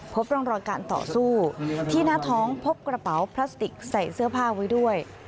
พบร่องรอยการต่อสู้ที่หน้าท้องพบกระเป๋าพลาสติกใส่เสื้อผ้าไว้ด้วย